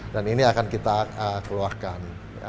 dan ini akan kita keluarkan